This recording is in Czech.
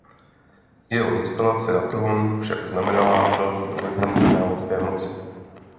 Jeho instalace na trůn však znamenala další omezení královské moci.